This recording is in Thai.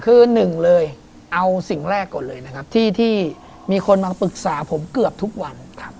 คือหนึ่งเลยเอาสิ่งแรกก่อนเลยนะครับที่มีคนมาปรึกษาผมเกือบทุกวัน